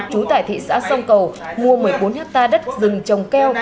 chú tại thị xã sông cầu mua một mươi bốn hát ta đất rừng trồng keo